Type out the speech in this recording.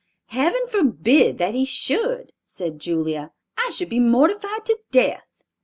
"Heaven forbid that he should!" said Julia. "I should be mortified to death."